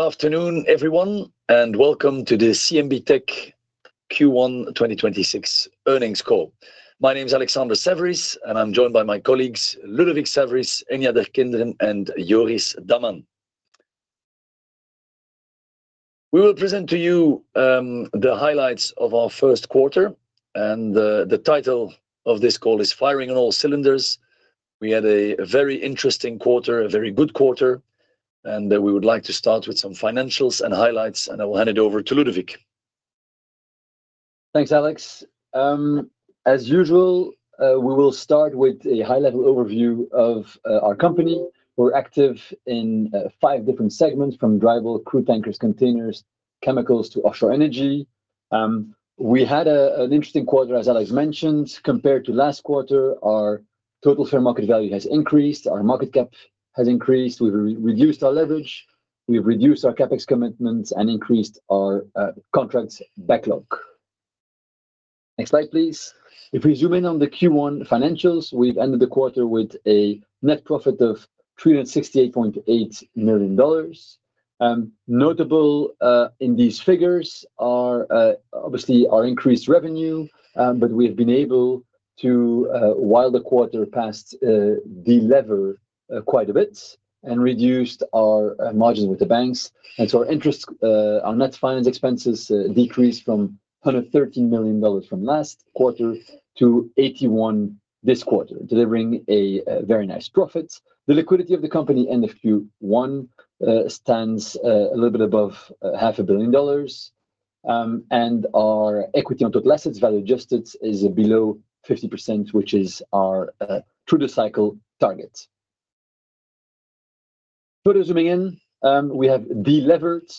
Good afternoon, everyone, and welcome to the CMB.TECH Q1 2026 earnings call. My name's Alexander Saverys, and I'm joined by my colleagues, Ludovic Saverys, Enya Derkinderen, and Joris Daman. We will present to you the highlights of our first quarter and the title of this call is Firing on All Cylinders. We had a very interesting quarter, a very good quarter, and then we would like to start with some financials and highlights, and I will hand it over to Ludovic. Thanks, Alex. As usual, we will start with a high-level overview of our company. We're active in five different segments from dry bulk, crude tankers, containers, chemicals to offshore energy. We had an interesting quarter, as Alex mentioned. Compared to last quarter, our total fair market value has increased, our market cap has increased. We re-reduced our leverage. We've reduced our CapEx commitments and increased our contracts backlog. Next slide, please. If we zoom in on the Q1 financials, we've ended the quarter with a net profit of $368.8 million. Notable in these figures are obviously our increased revenue, but we have been able to, while the quarter passed, de-lever quite a bit and reduced our margins with the banks. Our interest, our net finance expenses decreased from $113 million from last quarter to $81 million this quarter, delivering a very nice profit. The liquidity of the company end of Q1 stands a little bit above $500 million. Our equity on total assets value adjusted is below 50%, which is our through the cycle target. Further zooming in, we have de-levered.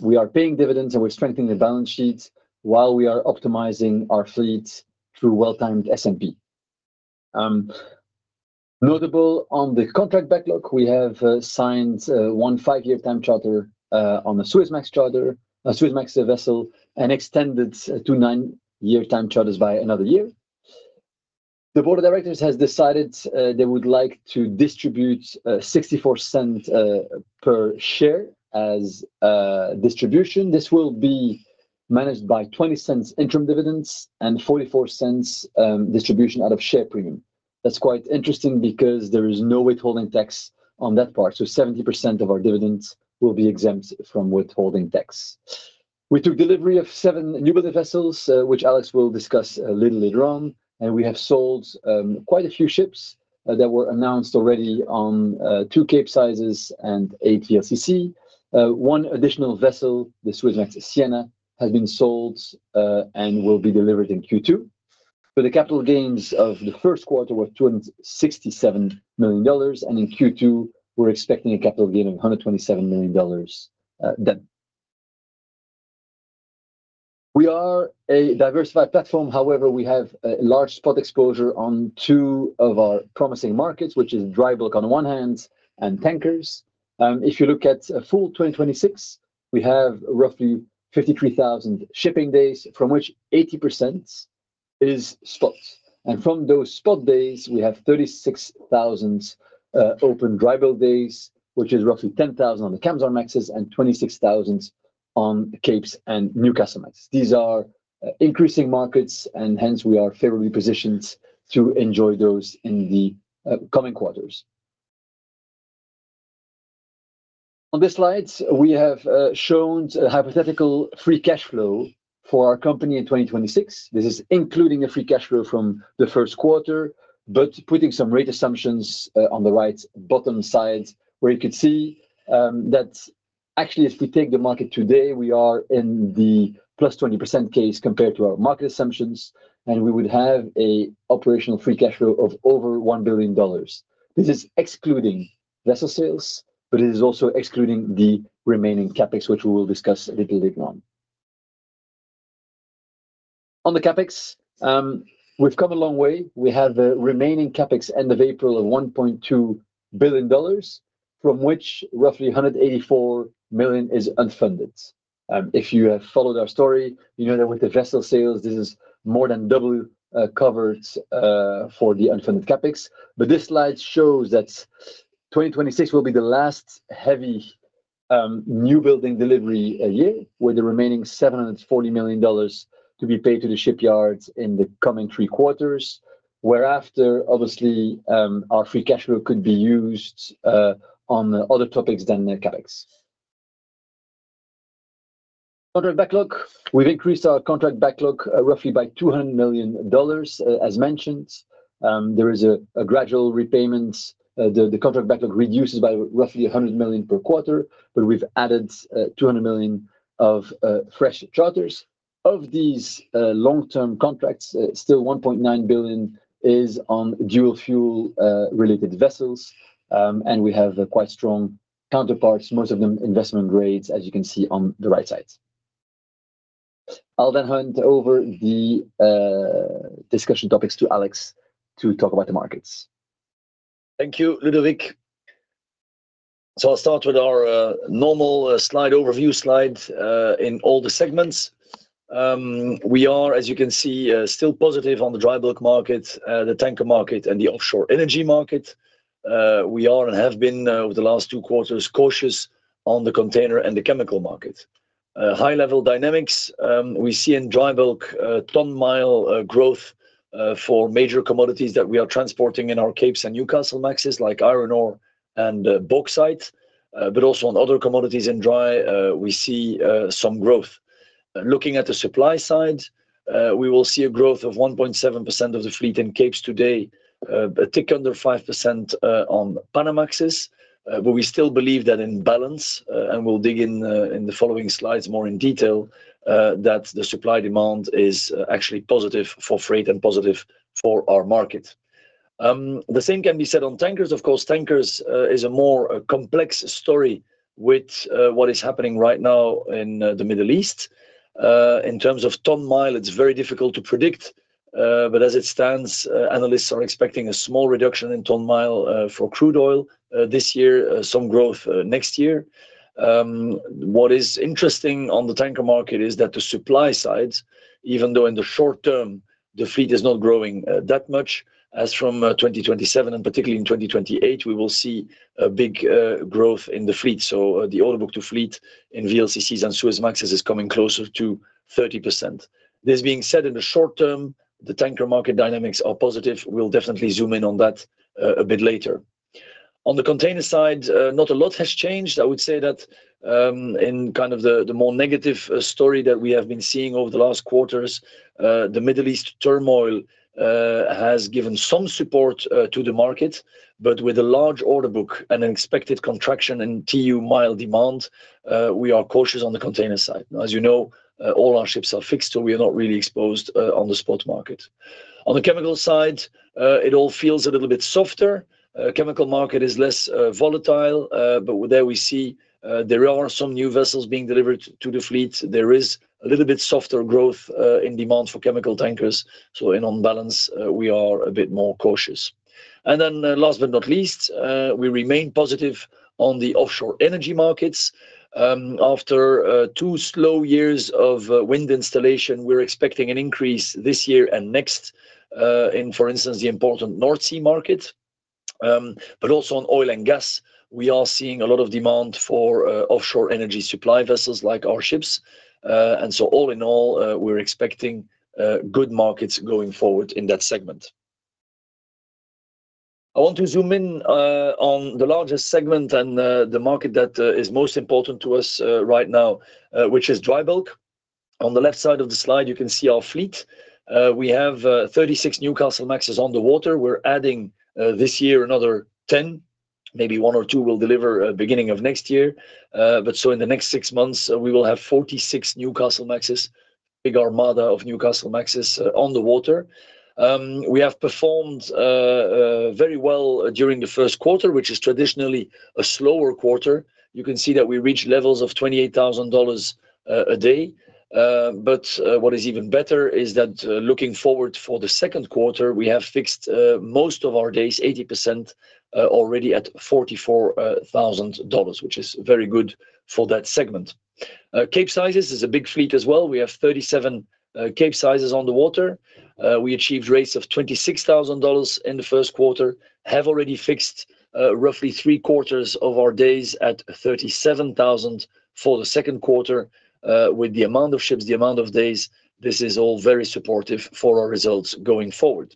We are paying dividends and we're strengthening the balance sheet while we are optimizing our fleet through well-timed S&P. Notable on the contract backlog, we have signed a five-year time charter on the Suezmax charter, a Suezmax vessel, and extended two nine-year time charters by another year. The board of directors has decided they would like to distribute $0.64 per share as a distribution. This will be managed by $0.20 interim dividends and $0.44 distribution out of share premium. That's quite interesting because there is no withholding tax on that part, so 70% of our dividends will be exempt from withholding tax. We took delivery of seven newbuild vessels, which Alex will discuss a little later on, and we have sold quite a few ships that were announced already on two Capesizes and a VLCC. One additional vessel, the Suezmax Sienna, has been sold and will be delivered in Q2. The capital gains of the first quarter were $267 million, and in Q2, we're expecting a capital gain of $127 million. We are a diversified platform. However, we have a large spot exposure on two of our promising markets, which is dry bulk on one hand and tankers. If you look at a full 2026, we have roughly 53,000 shipping days from which 80% is spot. From those spot days, we have 36,000 open dry bulk days, which is roughly 10,000 on the Kamsarmaxes and 26,000 on Capes and Newcastlemax. These are increasing markets, and hence we are favorably positioned to enjoy those in the coming quarters. On this slide, we have shown hypothetical free cash flow for our company in 2026. This is including a free cash flow from the first quarter, but putting some rate assumptions on the right bottom side, where you could see that actually, if we take the market today, we are in the +20% case compared to our market assumptions, and we would have a operational free cash flow of over $1 billion. This is excluding vessel sales, but it is also excluding the remaining CapEx, which we will discuss a little bit more. On the CapEx, we've come a long way. We have a remaining CapEx end of April of $1.2 billion, from which roughly $184 million is unfunded. If you have followed our story, you know that with the vessel sales, this is more than double covered for the unfunded CapEx. This slide shows that 2026 will be the last heavy new building delivery a year, with the remaining $740 million to be paid to the shipyards in the coming three quarters. Whereafter, obviously, our free cash flow could be used on other topics than the CapEx. Contract backlog. We've increased our contract backlog roughly by $200 million. As mentioned, there is a gradual repayment. The contract backlog reduces by roughly $100 million per quarter, but we've added $200 million of fresh charters. Of these long-term contracts, still $1.9 billion is on dual-fuel related vessels. We have a quite strong counterparts, most of them investment grades, as you can see on the right side. I'll hand over the discussion topics to Alex to talk about the markets. Thank you, Ludovic. I'll start with our normal slide overview slide in all the segments. We are, as you can see, still positive on the dry bulk market, the tanker market, and the offshore energy market. We are and have been over the last two quarters, cautious on the container and the chemical market. High-level dynamics, we see in dry bulk, ton-mile growth for major commodities that we are transporting in our Capes and Newcastlemaxes like iron ore and bauxite. Also on other commodities in dry, we see some growth. Looking at the supply side, we will see a growth of 1.7% of the fleet in Capes today, a tick under 5% on Panamax. We still believe that in balance, and we'll dig in in the following slides more in detail, that the supply-demand is actually positive for freight and positive for our market. The same can be said on tankers. Of course, tankers is a more complex story with what is happening right now in the Middle East. In terms of ton-mile, it's very difficult to predict, but as it stands, analysts are expecting a small reduction in ton-mile for crude oil this year, some growth next year. What is interesting on the tanker market is that the supply side, even though in the short term the fleet is not growing that much, as from 2027 and particularly in 2028, we will see a big growth in the fleet. The order book to fleet in VLCCs and Suezmaxes is coming closer to 30%. This being said, in the short term, the tanker market dynamics are positive. We'll definitely zoom in on that a bit later. On the container side, not a lot has changed. I would say that in kind of the more negative story that we have been seeing over the last quarters, the Middle East turmoil has given some support to the market. With a large order book and an expected contraction in TEU-mile demand, we are cautious on the container side. As you know, all our ships are fixed, so we are not really exposed on the spot market. On the chemical side, it all feels a little bit softer. Chemical market is less volatile, but there we see there are some new vessels being delivered to the fleet. There is a little bit softer growth in demand for chemical tankers. In, on balance, we are a bit more cautious. Last but not least, we remain positive on the offshore energy markets. After two slow years of wind installation, we're expecting an increase this year and next in, for instance, the important North Sea market. Also on oil and gas, we are seeing a lot of demand for offshore energy supply vessels like our ships. All in all, we're expecting good markets going forward in that segment. I want to zoom in on the largest segment and the market that is most important to us right now, which is dry bulk. On the left side of the slide, you can see our fleet. We have 36 Newcastlemaxes on the water. We're adding this year another 10, maybe one or two will deliver beginning of next year. In the next six months, we will have 46 Newcastlemaxes, big armada of Newcastlemaxes, on the water. We have performed very well during the first quarter, which is traditionally a slower quarter. You can see that we reached levels of $28,000 a day. What is even better is that, looking forward for the second quarter, we have fixed most of our days, 80%, already at $44,000, which is very good for that segment. Capesizes is a big fleet as well. We have 37 Capesizes on the water. We achieved rates of $26,000 in the first quarter. Have already fixed roughly three-quarters of our days at $37,000 for the second quarter. With the amount of ships, the amount of days, this is all very supportive for our results going forward.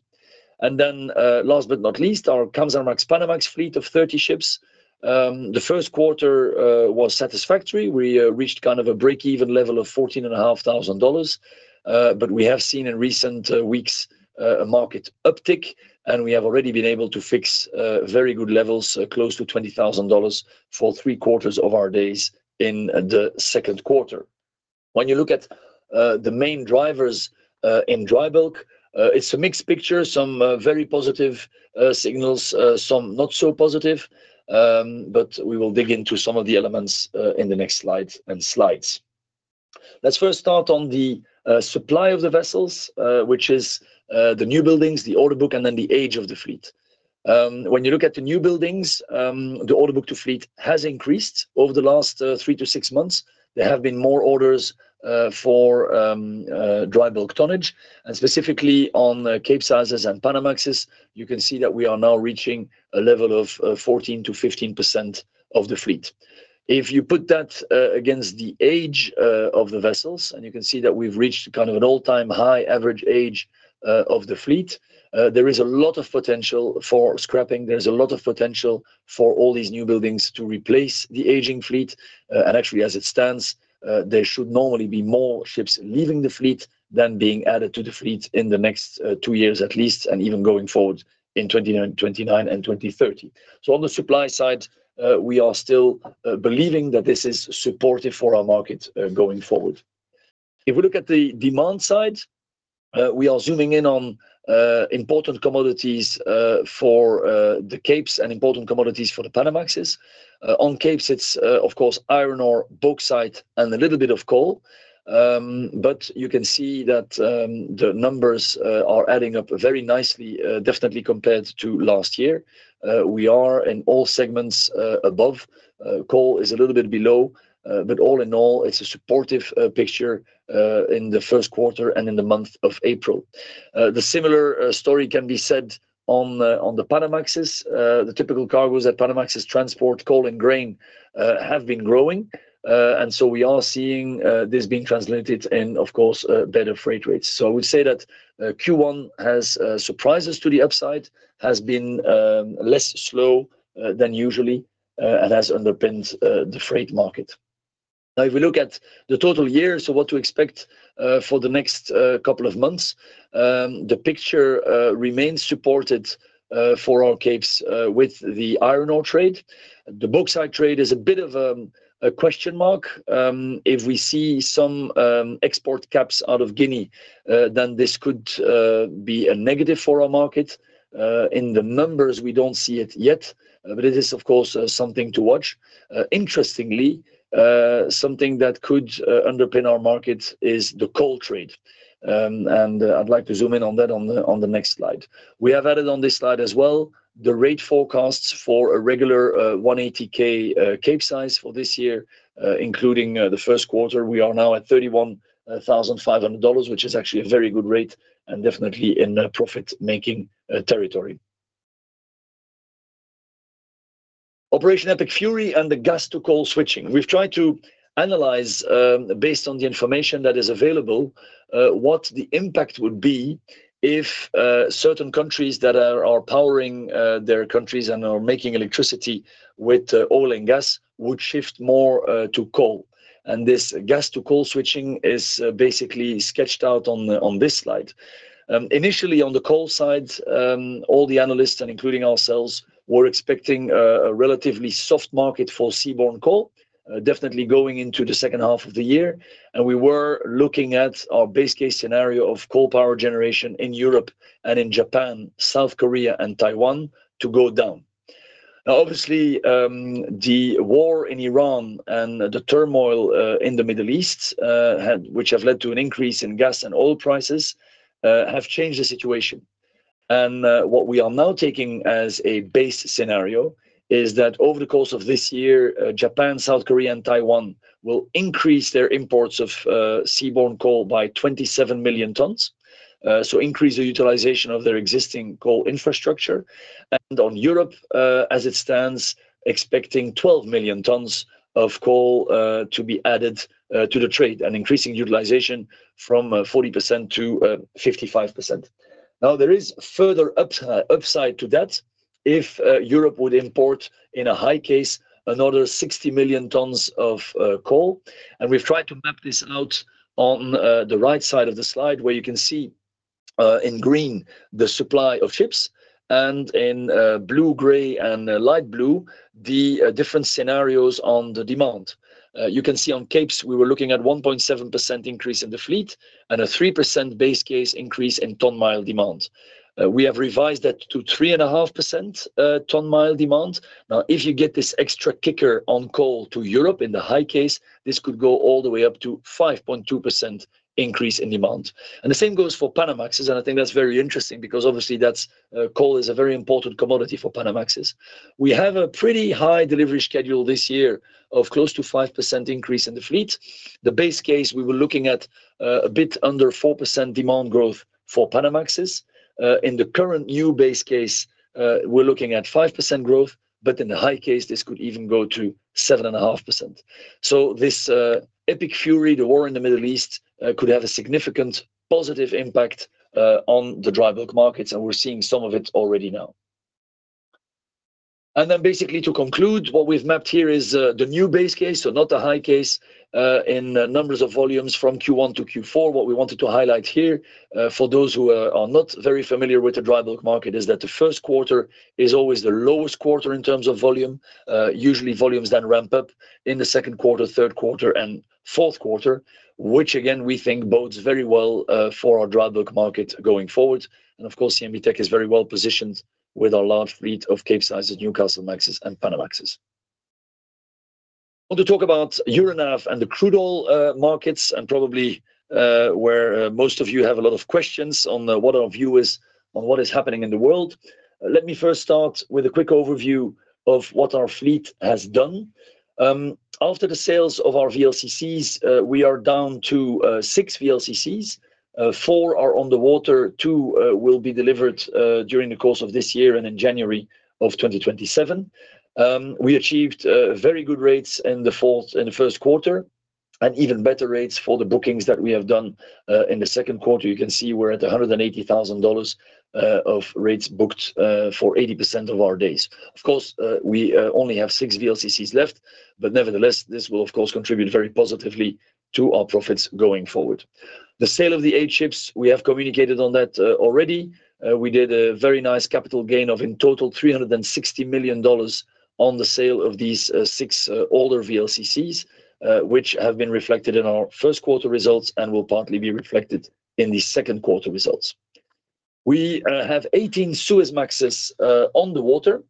Last but not least, our Kamsarmax Panamax fleet of 30 ships. The first quarter was satisfactory. We reached kind of a break-even level of $14,500. We have seen in recent weeks a market uptick, and we have already been able to fix very good levels close to $20,000 for three-quarters of our days in the second quarter. When you look at the main drivers in dry bulk, it's a mixed picture. Some very positive signals, some not so positive. We will dig into some of the elements in the next slide and slides. Let's first start on the supply of the vessels, which is the new buildings, the order book, and then the age of the fleet. When you look at the new buildings, the order book to fleet has increased over the last three to six months. There have been more orders for dry bulk tonnage, and specifically on Capesizes and Panamaxes. You can see that we are now reaching a level of 14%-15% of the fleet. If you put that against the age of the vessels, and you can see that we've reached kind of an all-time high average age of the fleet, there is a lot of potential for scrapping. There is a lot of potential for all these new buildings to replace the aging fleet. Actually, as it stands, there should normally be more ships leaving the fleet than being added to the fleet in the next two years at least, and even going forward in 2019, 2029, and 2030. On the supply side, we are still believing that this is supportive for our market going forward. If we look at the demand side, we are zooming in on important commodities for the Capes and important commodities for the Panamaxes. On Capes it's of course iron ore, bauxite, and a little bit of coal. You can see that the numbers are adding up very nicely, definitely compared to last year. We are in all segments above. Coal is a little bit below. But all in all, it's a supportive picture in the first quarter and in the month of April. The similar story can be said on the Panamaxes. The typical cargoes that Panamax transport, coal and grain, have been growing. We are seeing this being translated in, of course, better freight rates. I would say that Q1 has surprises to the upside, has been less slow than usually, and has underpinned the freight market. If we look at the total year, what to expect for the next couple of months, the picture remains supported for our Capes with the iron ore trade. The bauxite trade is a bit of a question mark. If we see some export caps out of Guinea, then this could be a negative for our market. In the numbers we don't see it yet, but it is of course something to watch. Interestingly, something that could underpin our market is the coal trade. I'd like to zoom in on that on the next slide. We have added on this slide as well the rate forecasts for a regular 180,000 Capesize for this year, including the first quarter. We are now at $31,500, which is actually a very good rate and definitely in a profit-making territory. Operation Epic Fury and the gas to coal switching. We've tried to analyze, based on the information that is available, what the impact would be if certain countries that are powering their countries and are making electricity with oil and gas would shift more to coal. This gas to coal switching is basically sketched out on this slide. Initially on the coal side, all the analysts and including ourselves were expecting a relatively soft market for seaborne coal, definitely going into the second half of the year. We were looking at our base case scenario of coal power generation in Europe and in Japan, South Korea and Taiwan to go down. Now obviously, the war in Iran and the turmoil in the Middle East, which have led to an increase in gas and oil prices, have changed the situation. What we are now taking as a base scenario is that over the course of this year, Japan, South Korea and Taiwan will increase their imports of seaborne coal by 27 million tons. Increase the utilization of their existing coal infrastructure. On Europe, as it stands, expecting 12 million tons of coal to be added to the trade, an increasing utilization from 40% to 55%. There is further upside to that if Europe would import in a high case another 60 million tons of coal. We've tried to map this out on the right side of the slide, where you can see in green the supply of ships and in blue, gray and light blue, the different scenarios on the demand. You can see on Capes we were looking at 1.7% increase in the fleet and a 3% base case increase in ton mile demand. We have revised that to 3.5% ton mile demand. Now, if you get this extra kicker on coal to Europe in the high case, this could go all the way up to 5.2% increase in demand. The same goes for Panamax, and I think that's very interesting because obviously that's coal is a very important commodity for Panamax. We have a pretty high delivery schedule this year of close to 5% increase in the fleet. The base case we were looking at, a bit under 4% demand growth for Panamax. In the current new base case, we're looking at 5% growth, but in the high case this could even go to 7.5%. This Epic Fury, the war in the Middle East, could have a significant positive impact on the dry bulk markets and we're seeing some of it already now. Basically to conclude, what we've mapped here is the new base case, so not the high case, in numbers of volumes from Q1 to Q4. What we wanted to highlight here, for those who are not very familiar with the dry bulk market, is that the first quarter is always the lowest quarter in terms of volume. Usually volumes then ramp up in the second quarter, third quarter and fourth quarter, which again, we think bodes very well for our dry bulk market going forward. Of course, CMB.TECH is very well-positioned with our large fleet of Capesizes, Newcastlemaxes and Panamax. I want to talk about Euronav and the crude oil markets and probably where most of you have a lot of questions on what our view is on what is happening in the world. Let me first start with a quick overview of what our fleet has done. After the sales of our VLCCs, we are down to six VLCCs. Four are on the water, two will be delivered during the course of this year and in January of 2027. We achieved very good rates in the first quarter, and even better rates for the bookings that we have done in the second quarter. You can see we're at $180,000 of rates booked for 80% of our days. Of course, we only have six VLCCs left, but nevertheless, this will of course contribute very positively to our profits going forward. The sale of the eight ships, we have communicated on that already. We did a very nice capital gain of, in total, $360 million on the sale of these six older VLCCs, which have been reflected in our first quarter results and will partly be reflected in the second quarter results. We have 18 Suezmaxes on the water.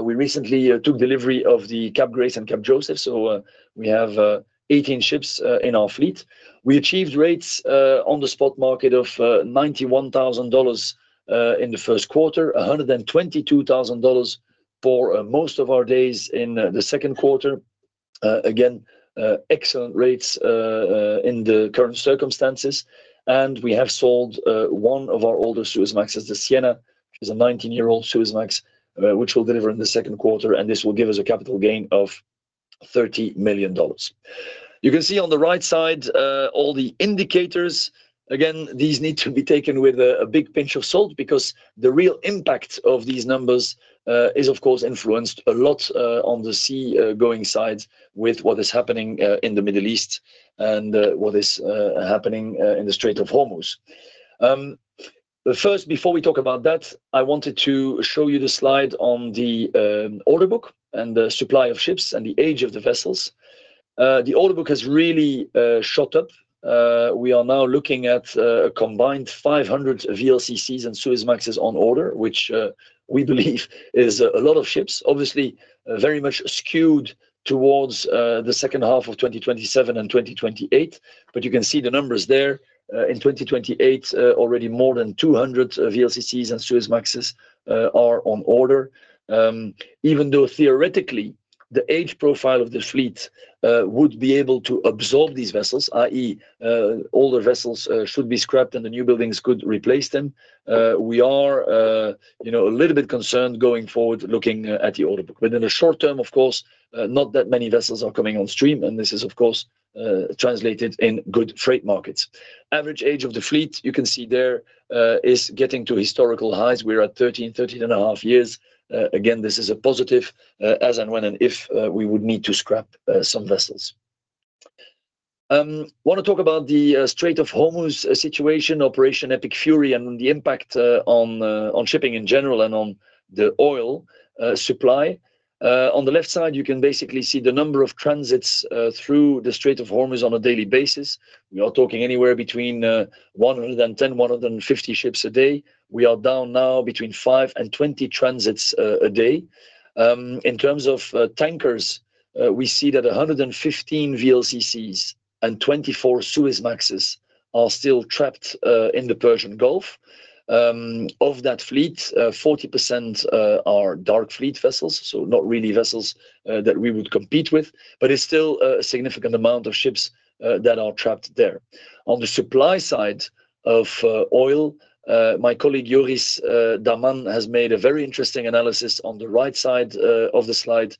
We recently took delivery of the Cap Grace and Cap Joseph. We have 18 ships in our fleet. We achieved rates on the spot market of $91,000 in the first quarter, $122,000 for most of our days in the second quarter. Again, excellent rates in the current circumstances. We have sold one of our older Suezmaxes, the Sienna. She's a 19-year-old Suezmax, which we'll deliver in the second quarter, and this will give us a capital gain of $30 million. You can see on the right side, all the indicators. Again, these need to be taken with a big pinch of salt because the real impact of these numbers is, of course, influenced a lot on the seagoing side with what is happening in the Middle East and what is happening in the Strait of Hormuz. First, before we talk about that, I wanted to show you the slide on the order book and the supply of ships and the age of the vessels. The order book has really shot up. We are now looking at a combined 500 VLCCs and Suezmaxes on order, which we believe is a lot of ships, obviously very much skewed towards the second half of 2027 and 2028. You can see the numbers there. In 2028, already more than 200 VLCCs and Suezmaxes are on order. Even though theoretically the age profile of the fleet would be able to absorb these vessels, i.e., older vessels should be scrapped and the new buildings could replace them, we are, you know, a little bit concerned going forward looking at the order book. In the short-term, of course, not that many vessels are coming on stream, and this is, of course, translated in good freight markets. Average age of the fleet, you can see there, is getting to historical highs. We're at 13.5 years. Again, this is a positive, as and when and if, we would need to scrap some vessels. Wanna talk about the Strait of Hormuz situation, Operation Epic Fury, and the impact on shipping in general and on the oil supply. On the left side, you can basically see the number of transits through the Strait of Hormuz on a daily basis. We are talking anywhere between 110, 150 ships a day. We are down now between five and 20 transits a day. In terms of tankers, we see that 115 VLCCs and 24 Suezmaxes are still trapped in the Persian Gulf. Of that fleet, 40% are dark fleet vessels, so not really vessels that we would compete with. It's still a significant amount of ships that are trapped there. On the supply side of oil, my colleague, Joris Daman has made a very interesting analysis on the right side of the slide.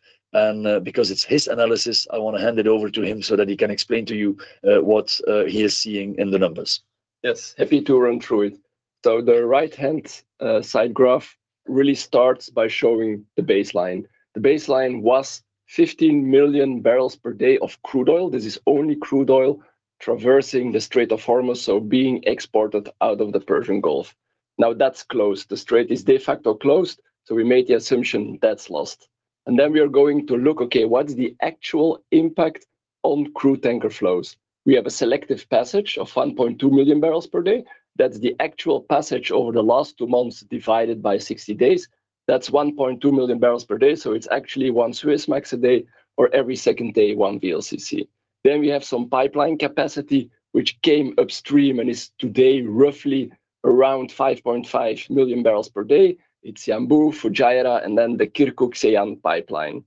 Because it's his analysis, I wanna hand it over to him so that he can explain to you what he is seeing in the numbers. Yes, happy to run through it. The right-hand side graph really starts by showing the baseline. The baseline was 15 MMbpd of crude oil. This is only crude oil traversing the Strait of Hormuz, so being exported out of the Persian Gulf. Now, that's closed. The strait is de facto closed, so we made the assumption that's lost. We are going to look, okay, what is the actual impact on crude tanker flows? We have a selective passage of 1.2 MMbpd. That's the actual passage over the last two months divided by 60 days. That's 1.2 MMbpd, so it's actually one Suezmax a day or every second day, one VLCC. We have some pipeline capacity which came upstream and is today roughly around 5.5 MMbpd. It's Yanbu, Fujairah, and then the Kirkuk-Ceyhan pipeline.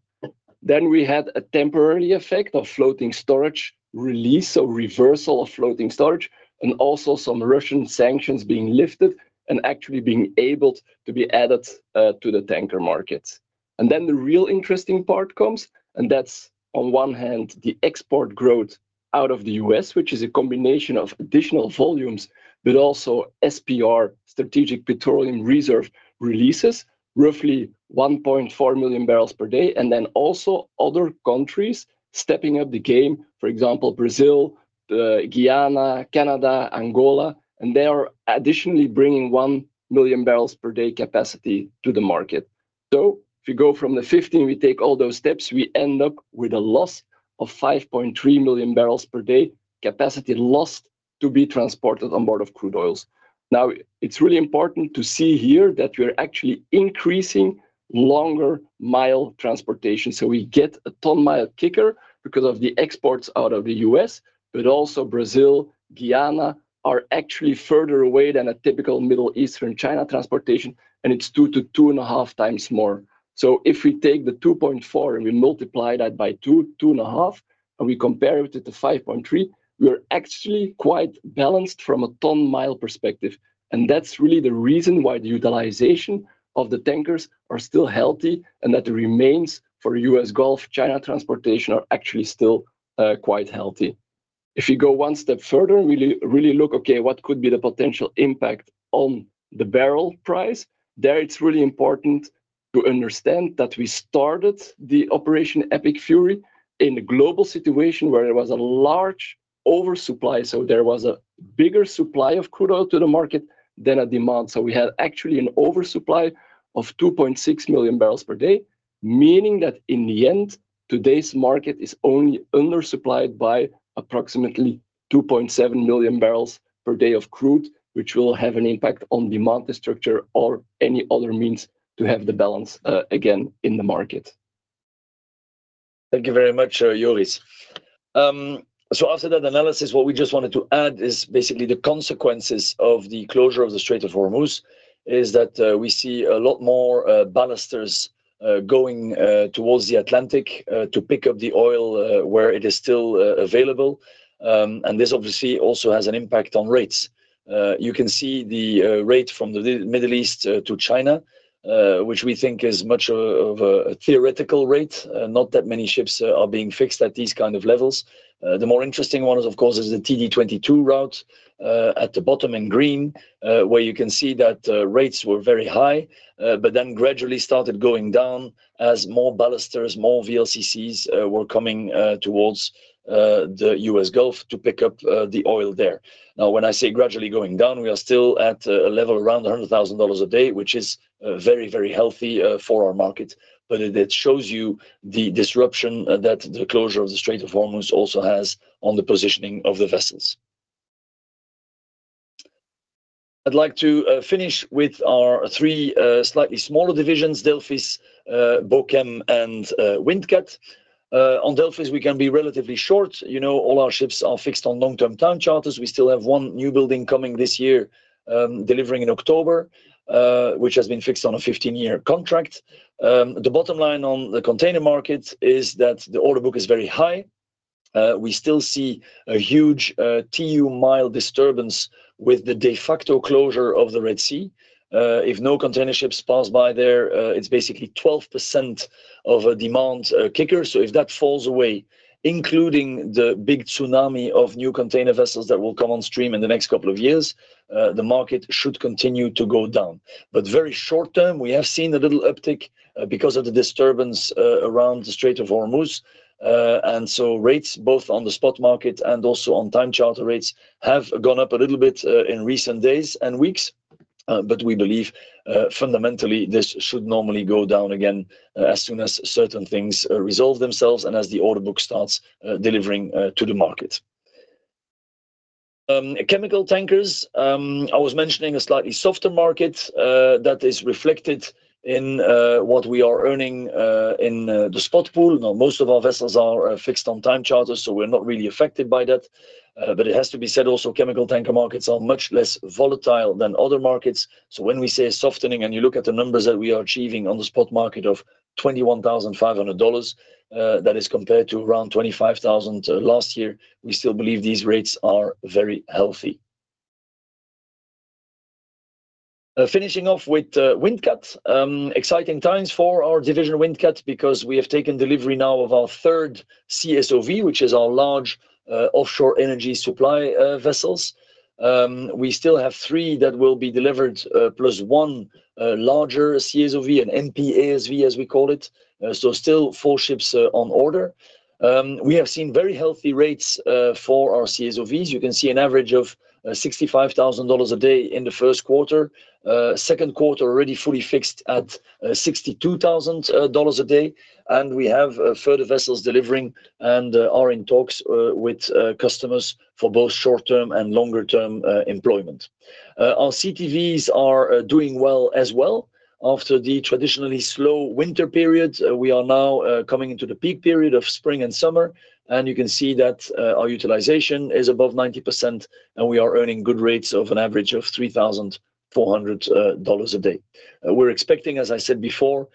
We had a temporary effect of floating storage release, so reversal of floating storage, and also some Russian sanctions being lifted and actually being able to be added to the tanker markets. The real interesting part comes, and that's on one hand, the export growth out of the U.S., which is a combination of additional volumes, but also SPR, Strategic Petroleum Reserve releases, roughly 1.4 MMbpd, and then also other countries stepping up the game. For example, Brazil, Guyana, Canada, Angola, and they are additionally bringing 1 MMbpd capacity to the market. If you go from the 15 MMbpd, we take all those steps, we end up with a loss of 5.3 MMbpd capacity lost to be transported on board of crude oils. It's really important to see here that we are actually increasing longer mile transportation, so we get a ton-mile kicker because of the exports out of the U.S., but also Brazil, Guyana are actually further away than a typical Middle Eastern-China transportation, and it's 2x-2.5x more. If we take the 2.4x and we multiply that by 2.5x, and we compare it to the 5.3x, we are actually quite balanced from a ton-mile perspective, and that's really the reason why the utilization of the tankers are still healthy and that the remains for U.S. Gulf China transportation are actually still quite healthy. If you go one step further and really, really look, okay, what could be the potential impact on the barrel price, there it's really important to understand that we started the Operation Epic Fury in a global situation where there was a large oversupply. There was a bigger supply of crude oil to the market than a demand. We had actually an oversupply of 2.6 MMbpd, meaning that in the end, today's market is only undersupplied by approximately 2.7 MMbpd of crude, which will have an impact on demand structure or any other means to have the balance again in the market. Thank you very much, Joris. After that analysis, what we just wanted to add is basically the consequences of the closure of the Strait of Hormuz is that we see a lot more ballasters going towards the Atlantic to pick up the oil where it is still available. This obviously also has an impact on rates. You can see the rate from the Middle East to China, which we think is much of a theoretical rate. Not that many ships are being fixed at these kind of levels. The more interesting one is, of course, is the TD22 route at the bottom in green, where you can see that rates were very high, then gradually started going down as more ballasters, more VLCCs, were coming towards the U.S. Gulf to pick up the oil there. When I say gradually going down, we are still at a level around $100,000 a day, which is very, very healthy for our market. It shows you the disruption that the closure of the Strait of Hormuz also has on the positioning of the vessels. I'd like to finish with our three slightly smaller divisions, Delphis, Bochem, and Windcat. On Delphis, we can be relatively short. You know, all our ships are fixed on long-term time charters. We still have one new building coming this year, delivering in October, which has been fixed on a 15-year contract. The bottom line on the container market is that the order book is very high. We still see a huge TEU-mile disturbance with the de facto closure of the Red Sea. If no container ships pass by there, it's basically 12% of demand kicker. If that falls away, including the big tsunami of new container vessels that will come on stream in the next couple of years, the market should continue to go down. Very short term, we have seen a little uptick because of the disturbance around the Strait of Hormuz. Rates both on the spot market and also on time charter rates have gone up a little bit in recent days and weeks. We believe fundamentally, this should normally go down again as soon as certain things resolve themselves and as the order book starts delivering to the market. Chemical tankers, I was mentioning a slightly softer market that is reflected in what we are earning in the spot pool. Now, most of our vessels are fixed on time charters, so we're not really affected by that. It has to be said also, chemical tanker markets are much less volatile than other markets. When we say softening and you look at the numbers that we are achieving on the spot market of $21,500, that is compared to around $25,000 last year, we still believe these rates are very healthy. Finishing off with Windcat. Exciting times for our division, Windcat, because we have taken delivery now of our third CSOV, which is our large offshore energy supply vessels. We still have three that will be delivered, plus one larger CSOV, an MPASV, as we call it. Still four ships on order. We have seen very healthy rates for our CSOVs. You can see an average of $65,000 a day in the first quarter. Second quarter already fully fixed at $62,000 a day. We have further vessels delivering and are in talks with customers for both short-term and longer-term employment. Our CTVs are doing well as well. After the traditionally slow winter period, we are now coming into the peak period of spring and summer, and you can see that our utilization is above 90%, and we are earning good rates of an average of $3,400 a day. We're expecting, as I said before,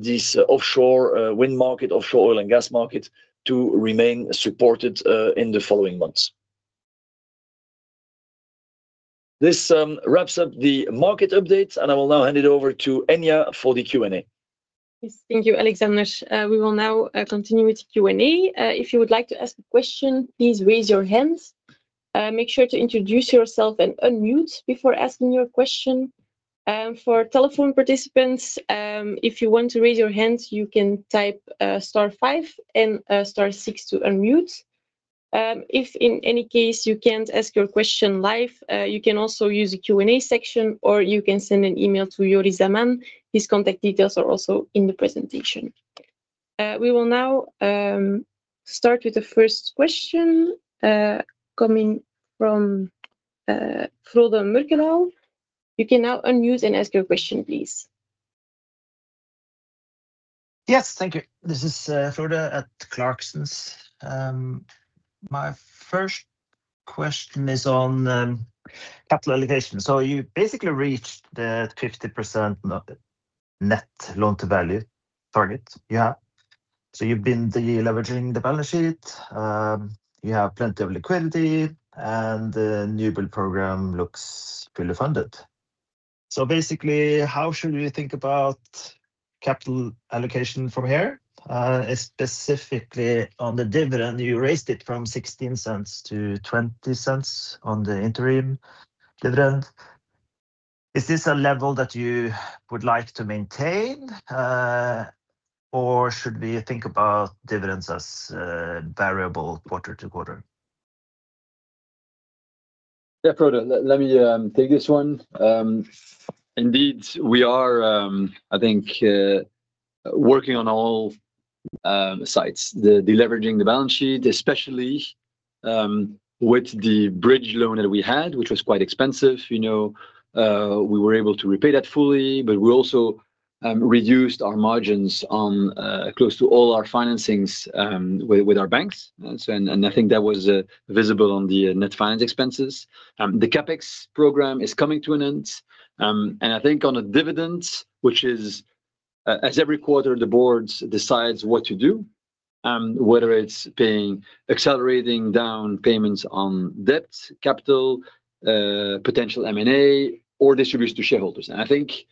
this offshore wind market, offshore oil and gas market, to remain supported in the following months. This wraps up the market update, and I will now hand it over to Enya for the Q&A. Yes. Thank you, Alexander. We will now continue with Q&A. If you would like to ask a question, please raise your hand. Make sure to introduce yourself and unmute before asking your question. For telephone participants, if you want to raise your hand, you can type star five and star six to unmute. If in any case you can't ask your question live, you can also use the Q&A section, or you can send an email to Joris Daman. His contact details are also in the presentation. We will now start with the first question coming from Frode Mørkedal. You can now unmute and ask your question, please. Yes. Thank you. This is Frode at Clarksons. My first question is on capital allocation. You basically reached the 50% of net loan-to-value target. Yeah. You've been de-leveraging the balance sheet. You have plenty of liquidity, and the new-build program looks fully funded. Basically, how should we think about capital allocation from here? Specifically on the dividend, you raised it from $0.16 to $0.20 on the interim dividend. Is this a level that you would like to maintain, or should we think about dividends as variable quarter-to-quarter? Yeah, Frode, let me take this one. Indeed, we are, I think, working on all sites. The deleveraging the balance sheet, especially, with the bridge loan that we had, which was quite expensive. You know, we were able to repay that fully, but we also reduced our margins on close to all our financings, with our banks. I think that was visible on the net finance expenses. The CapEx program is coming to an end. I think on a dividend, which is as every quarter, the Board decides what to do, whether it's paying, accelerating down payments on debt, capital, potential M&A, or distributes to shareholders. I think,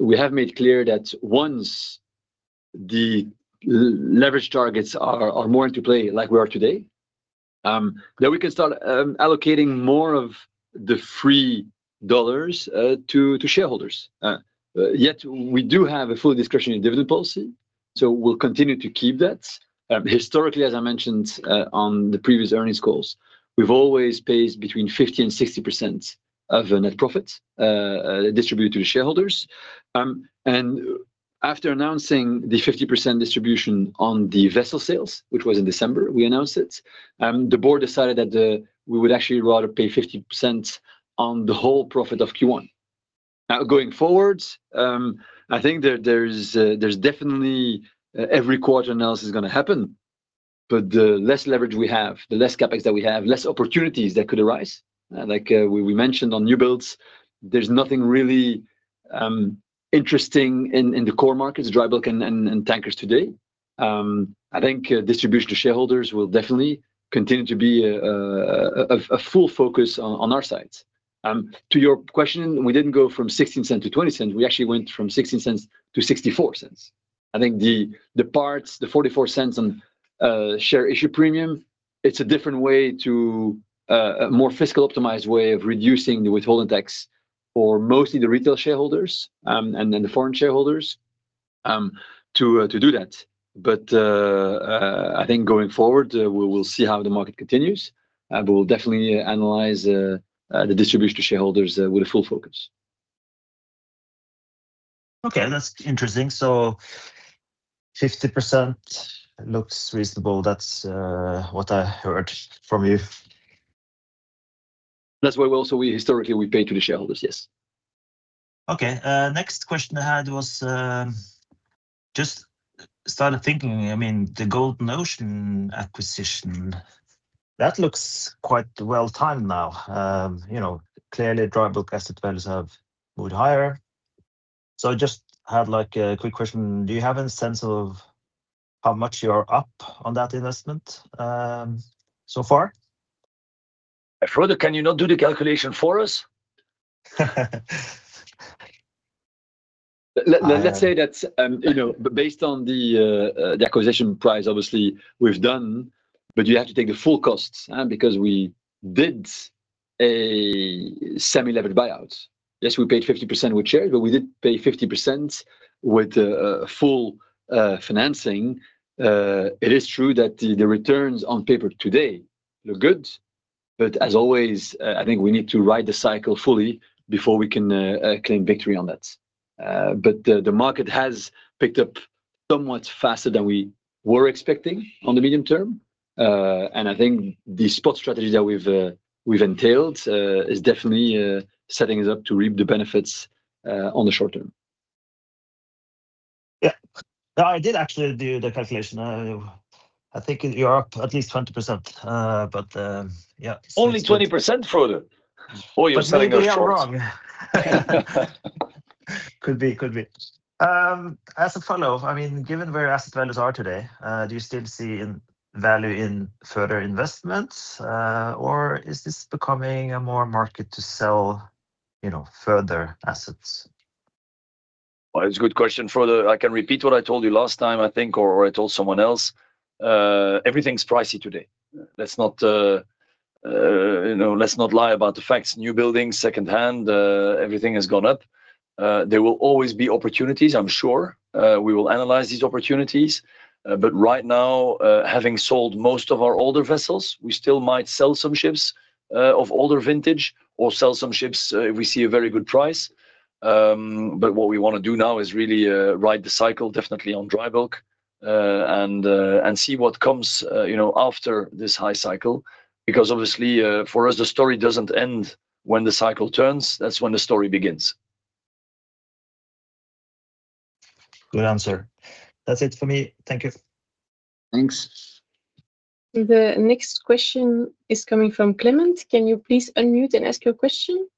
we have made clear that once the leverage targets are more into play like we are today, then we can start allocating more of the free dollars to shareholders. Yet we do have a full discretion in dividend policy, so we'll continue to keep that. Historically, as I mentioned, on the previous earnings calls, we've always paid between 50% and 60% of the net profits distributed to the shareholders. After announcing the 50% distribution on the vessel sales, which was in December, we announced it, the board decided that we would actually rather pay 50% on the whole profit of Q1. Now, going forwards, I think there's, there's definitely every quarter analysis is going to happen, the less leverage we have, the less CapEx that we have, less opportunities that could arise. Like, we mentioned on new builds, there's nothing really interesting in the core markets, dry bulk and tankers today. I think distribution to shareholders will definitely continue to be a full focus on our side. To your question, we didn't go from $0.16 to $0.20. We actually went from $0.16 to $0.64. I think the parts, the $0.44 on share issue premium, it's a different way to a more fiscal optimized way of reducing the withholding tax for mostly the retail shareholders, and then the foreign shareholders to do that. I think going forward, we will see how the market continues. We'll definitely analyze the distribution to shareholders with a full focus. Okay, that's interesting. 50% looks reasonable. That's what I heard from you. That's what we also, historically, we paid to the shareholders, yes. Okay. Next question I had was, just started thinking, I mean, the Golden Ocean acquisition, that looks quite well timed now. You know, clearly, dry bulk asset values have moved higher. Just had like a quick question. Do you have any sense of how much you're up on that investment, so far? Frode, can you not do the calculation for us? Let's say that, you know, based on the acquisition price, obviously we've done, but you have to take the full costs because we did a semi-leveraged buyout. Yes, we paid 50% with shares, we did pay 50% with full financing. It is true that the returns on paper today look good, but as always, I think we need to ride the cycle fully before we can claim victory on that. The market has picked up somewhat faster than we were expecting on the medium term. I think the spot strategy that we've entailed is definitely setting us up to reap the benefits on the short term. Yeah. No, I did actually do the calculation. I think you're up at least 20%. Yeah. Only 20% Frode? Boy, you're selling it short. Maybe I'm wrong. Could be, could be. As a follow-up, I mean, given where asset values are today, do you still see value in further investments? Or is this becoming a more market to sell, you know, further assets? Well, it's a good question, Frode. I can repeat what I told you last time, I think, or I told someone else. Everything's pricey today. Let's not, you know, let's not lie about the facts. New buildings, second-hand, everything has gone up. There will always be opportunities, I'm sure. We will analyze these opportunities. Right now, having sold most of our older vessels, we still might sell some ships, of older vintage or sell some ships, if we see a very good price. What we wanna do now is really, ride the cycle definitely on dry bulk, and see what comes, you know, after this high cycle. Obviously, for us, the story doesn't end when the cycle turns. That's when the story begins. Good answer. That's it for me. Thank you. Thanks. The next question is coming from Clement. Can you please unmute and ask your question?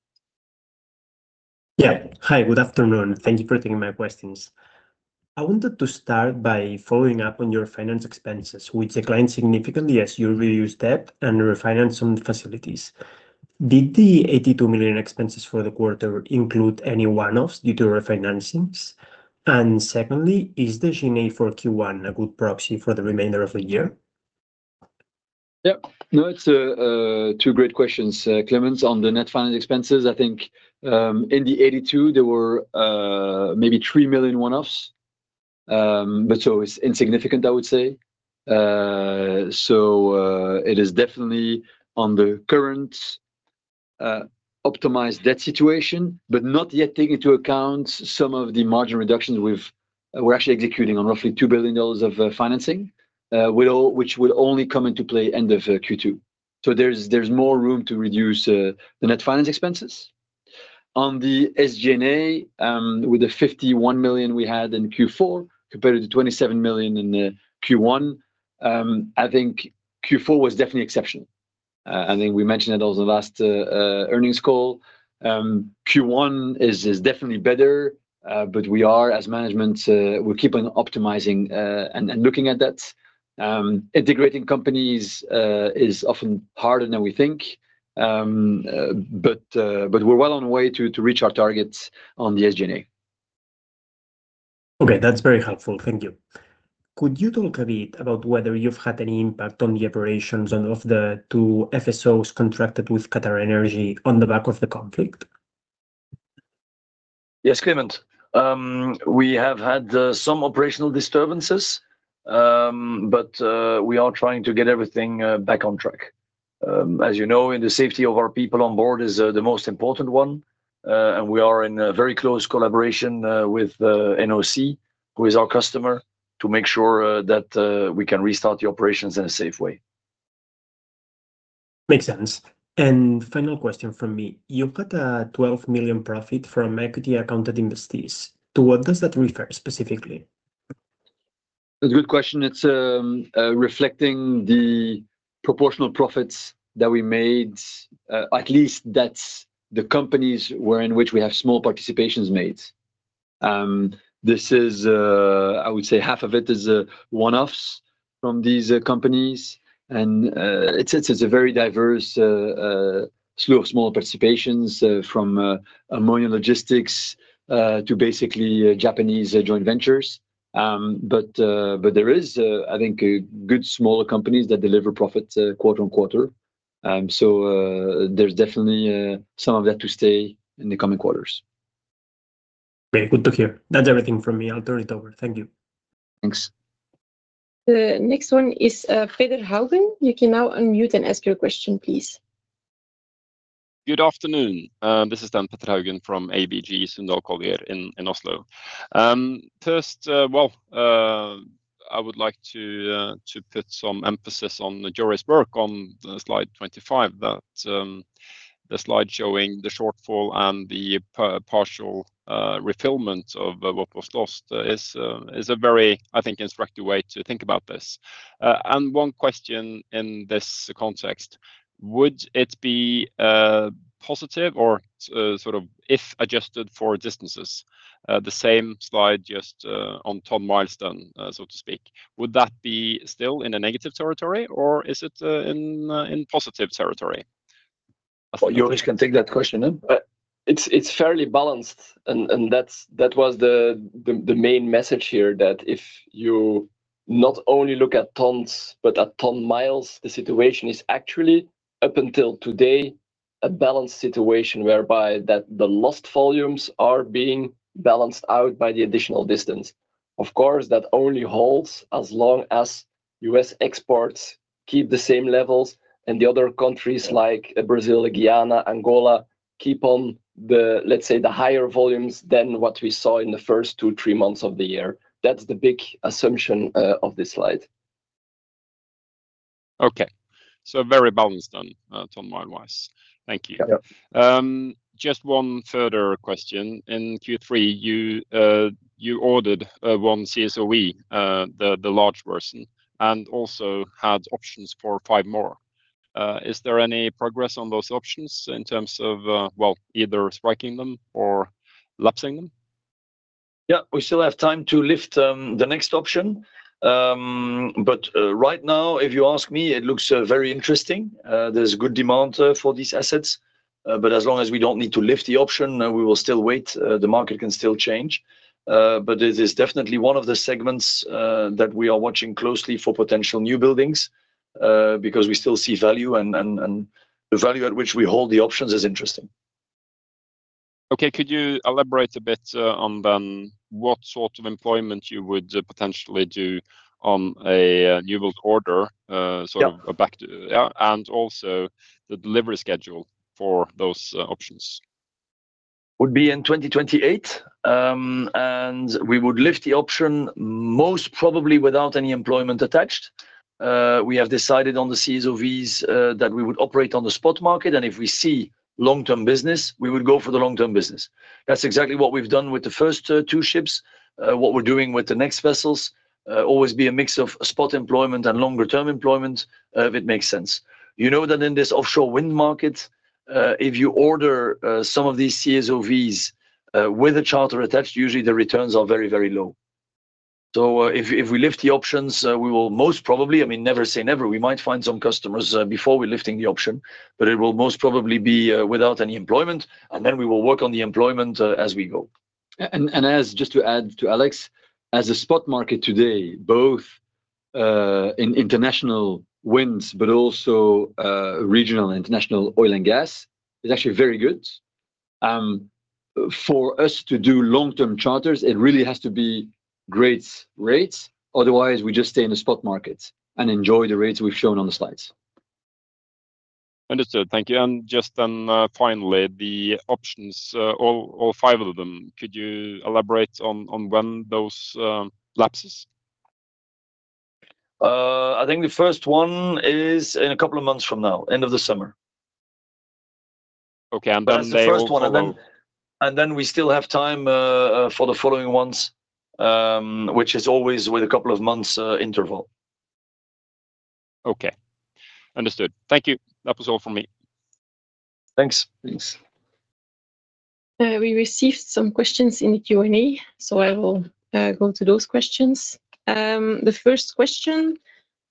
Yeah. Hi, good afternoon. Thank you for taking my questions. I wanted to start by following up on your finance expenses, which declined significantly as you reduced debt and refinanced some facilities. Did the $82 million expenses for the quarter include any one-offs due to refinancings? Secondly, is the G&A for Q1 a good proxy for the remainder of the year? Yeah. No, it's two great questions, Clement. On the net finance expenses, I think, in the 82 there were maybe $3 million one-offs. It's insignificant, I would say. It is definitely on the current optimized debt situation, but not yet taking into account some of the margin reductions we're actually executing on roughly $2 billion of financing, which will only come into play end of Q2. There's more room to reduce the net finance expenses. On the SG&A, with the $51 million we had in Q4 compared to the $27 million in Q1, I think Q4 was definitely exceptional. I think we mentioned that also the last earnings call. Q1 is definitely better, but we are as management, we're keeping optimizing and looking at that. Integrating companies is often harder than we think. We're well on our way to reach our targets on the SG&A. Okay. That's very helpful. Thank you. Could you talk a bit about whether you've had any impact on the operations on of the two FSOs contracted with QatarEnergy on the back of the conflict? Yes, Clement. We have had some operational disturbances, we are trying to get everything back on track. As you know, the safety of our people on board is the most important one. We are in a very close collaboration with NOC, who is our customer, to make sure that we can restart the operations in a safe way. Makes sense. Final question from me. You've got a $12 million profit from equity accounted investees. To what does that refer specifically? That's a good question. It's reflecting the proportional profits that we made. At least that's the companies where in which we have small participations made. This is, I would say, half of it is one-offs from these companies. It's a very diverse slew of small participations, from ammonia logistics to basically Japanese joint ventures. There is, I think, a good smaller companies that deliver profits quarter-on-quarter. There's definitely some of that to stay in the coming quarters. Great. Good to hear. That's everything from me. I'll turn it over. Thank you. Thanks. The next one is Petter Haugen. You can now unmute and ask your question, please. Good afternoon. This is then Petter Haugen from ABG Sundal Collier in Oslo. First, well, I would like to put some emphasis on the Joris work on slide 25. That, the slide showing the shortfall and the partial refillment of what was lost is a very, I think, instructive way to think about this. One question in this context. Would it be positive or sort of if adjusted for distances, the same slide just on ton-mile, so to speak. Would that be still in a negative territory, or is it in positive territory? Joris can take that question? It's fairly balanced and that's, that was the main message here, that if you not only look at tons, but at ton-miles, the situation is actually up until today a balanced situation whereby that the lost volumes are being balanced out by the additional distance. Of course, that only holds as long as U.S. exports keep the same levels and the other countries like Brazil, Guyana, Angola keep on the, let's say, the higher volumes than what we saw in the first two, three months of the year. That's the big assumption of this slide. Okay. very balanced on, ton-mile wise. Thank you. Yeah. Just one further question. In Q3, you ordered one CSOV, the large version, and also had options for five more. Is there any progress on those options in terms of, well, either striking them or lapsing them? Yeah. We still have time to lift the next option. Right now if you ask me, it looks very interesting. There's good demand for these assets. As long as we don't need to lift the option, we will still wait. The market can still change. It is definitely one of the segments that we are watching closely for potential new buildings, because we still see value and the value at which we hold the options is interesting. Okay. Could you elaborate a bit on then what sort of employment you would potentially do on a newbuild order? Yeah Also the delivery schedule for those options. Would be in 2028, and we would lift the option most probably without any employment attached. We have decided on the CSOVs that we would operate on the spot market, and if we see long-term business, we would go for the long-term business. That's exactly what we've done with the first two ships. What we're doing with the next vessels, always be a mix of spot employment and longer term employment, if it makes sense. You know that in this offshore wind market, if you order some of these CSOVs with a charter attached, usually the returns are very, very low. If we lift the options, we will most probably I mean, never say never. We might find some customers before we're lifting the option, but it will most probably be without any employment, then we will work on the employment as we go. Just to add to Alex, as a spot market today, both in international winds but also regional and international oil and gas is actually very good. For us to do long-term charters, it really has to be great rates, otherwise we just stay in the spot market and enjoy the rates we've shown on the slides. Understood. Thank you. Just then, finally, the options, all five of them, could you elaborate on when those lapses? I think the first one is in a couple of months from now, end of the summer. Okay. The first one, and then we still have time for the following ones, which is always with a couple of months interval. Okay. Understood. Thank you. That was all for me. Thanks. Thanks. We received some questions in the Q&A. I will go to those questions. The first question,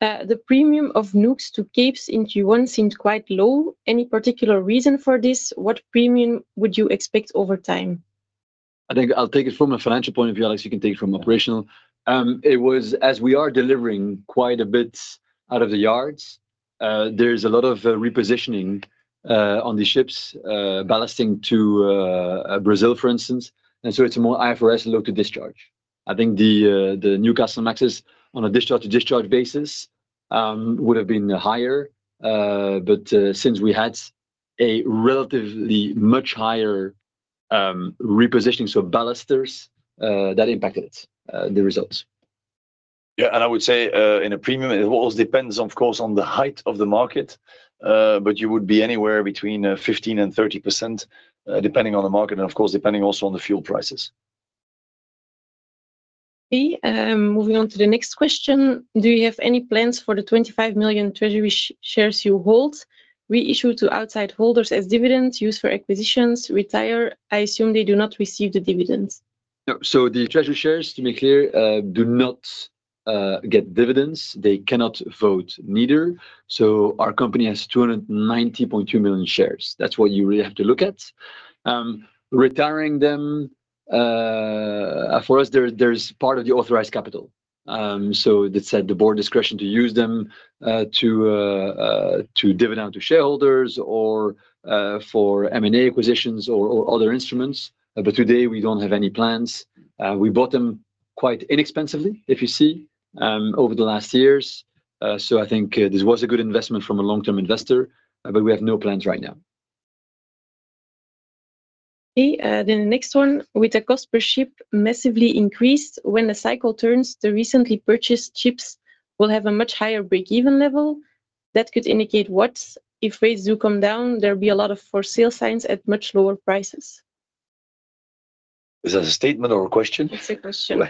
the premium of Newcastlemaxes to Capes in Q1 seemed quite low. Any particular reason for this? What premium would you expect over time? I think I'll take it from a financial point of view. Alex, you can take it from operational. It was, as we are delivering quite a bit out of the yards, there's a lot of repositioning on the ships, ballasting to Brazil, for instance. It's a more IFRS load-to-discharge. I think the Newcastlemaxes on a discharge-to-discharge basis would have been higher. Since we had a relatively much higher repositioning, so ballasters, that impacted it, the results. Yeah. I would say, in a premium, it always depends, of course, on the height of the market, but you would be anywhere between 15%-30%, depending on the market and of course, depending also on the fuel prices. Okay. Moving on to the next question. Do you have any plans for the 25 million treasury shares you hold? Reissue to outside holders as dividends, use for acquisitions, retire? I assume they do not receive the dividends. No. The treasury shares, to be clear, do not get dividends. They cannot vote neither. Our company has 290.2 million shares. That's what you really have to look at. Retiring them, for us, there's part of the authorized capital. That set the board discretion to use them to dividend to shareholders or for M&A acquisitions or other instruments. Today, we don't have any plans. We bought them quite inexpensively, if you see, over the last years. I think this was a good investment from a long-term investor, but we have no plans right now. Okay. The next one. With the cost per ship massively increased, when the cycle turns, the recently purchased ships will have a much higher break-even level. That could indicate what? If rates do come down, there'll be a lot of for sale signs at much lower prices. Is that a statement or a question? It's a question.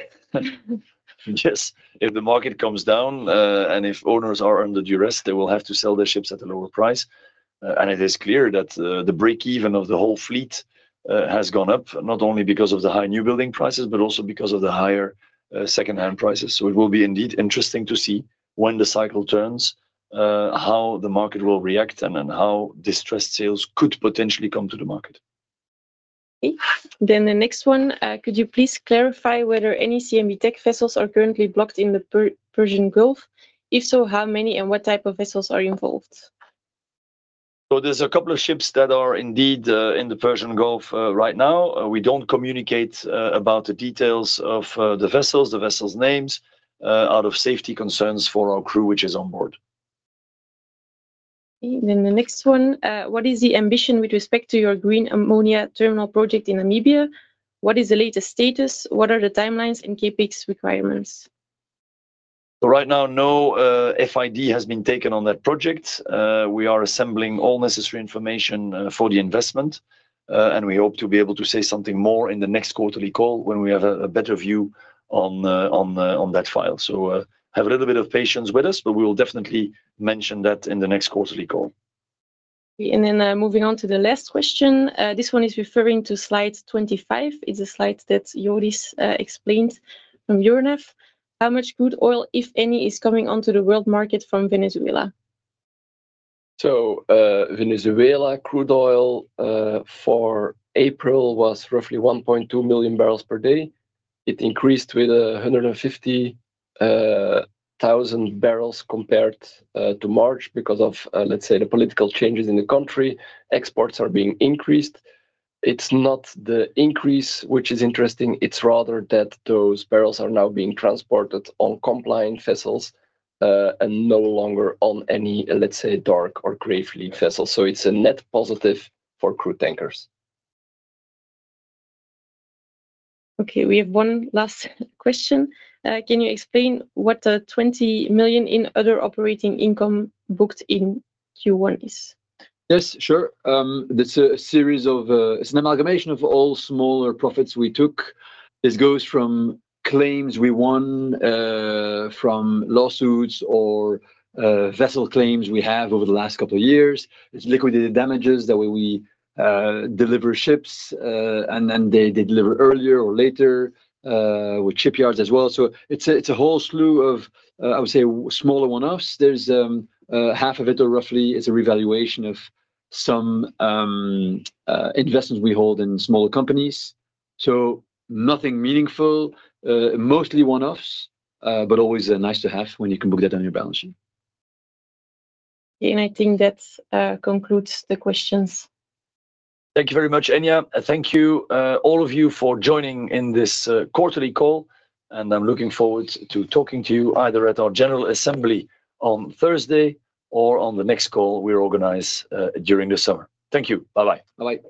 Yes. If the market comes down, if owners are under duress, they will have to sell their ships at a lower price. It is clear that the break-even of the whole fleet has gone up, not only because of the high new building prices, but also because of the higher secondhand prices. It will be indeed interesting to see when the cycle turns, how the market will react and then how distressed sales could potentially come to the market. Okay. The next one. Could you please clarify whether any CMB.TECH vessels are currently blocked in the Persian Gulf? If so, how many and what type of vessels are involved? There's a couple of ships that are indeed in the Persian Gulf right now. We don't communicate about the details of the vessels, the vessels' names, out of safety concerns for our crew, which is on board. The next one. What is the ambition with respect to your green ammonia terminal project in Namibia? What is the latest status? What are the timelines and CapEx requirements? Right now, no, FID has been taken on that project. We are assembling all necessary information for the investment, and we hope to be able to say something more in the next quarterly call when we have a better view on that file. Have a little bit of patience with us, but we will definitely mention that in the next quarterly call. Moving on to the last question. This one is referring to slide 25. It's a slide that Joris explained from Euronav. How much crude oil, if any, is coming onto the world market from Venezuela? Venezuela crude oil for April was roughly 1.2 MMbpd. It increased with 150,000 bbl compared to March because of, let's say, the political changes in the country. Exports are being increased. It's not the increase which is interesting, it's rather that those barrels are now being transported on compliant vessels and no longer on any, let's say, dark or gray fleet vessels. It's a net positive for crude tankers. Okay. We have one last question. Can you explain what the $20 million in other operating income booked in Q1 is? Yes, sure. It's a series of, it's an amalgamation of all smaller profits we took. This goes from claims we won, from lawsuits or, vessel claims we have over the last couple of years. It's liquidated damages, that way we deliver ships, and then they deliver earlier or later, with shipyards as well. It's a whole slew of, I would say smaller one-offs. There's half of it, or roughly, is a revaluation of some investments we hold in smaller companies. Nothing meaningful, mostly one-offs, but always nice to have when you can book that on your balance sheet. I think that, concludes the questions. Thank you very much, Enya. Thank you, all of you for joining in this, quarterly call, and I am looking forward to talking to you either at our general assembly on Thursday or on the next call we organize, during the summer. Thank you. Bye-bye. Bye-bye.